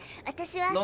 私は。